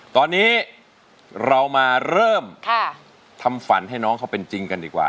ตอนนี้เรามาเริ่มทำฝันให้น้องเขาเป็นจริงกันดีกว่า